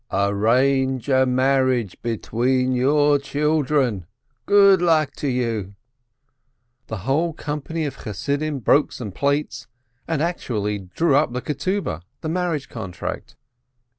Arrange a marriage between your children ! Good luck to you !" The whole company of Chassidim broke some plates, and actually drew up the marriage contract.